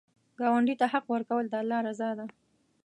ګاونډي ته حق ورکول، د الله رضا ده